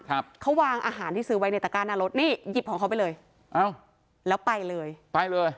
ครับเขาวางอาหารที่ซื้อไว้ในตะก้าหน้ารถนี่หยิบของเขาไปเลยอ้าวแล้วไปเลยไปเลย